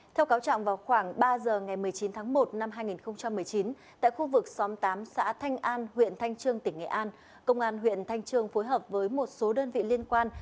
theo cáo trạng vào khoảng ba giờ ngày một mươi chín tháng một năm hai nghìn một mươi chín tại khu vực xóm tám xã thanh an huyện thanh trương tỉnh nghệ an công an huyện thanh trương phối hợp với một số đơn vị liên quan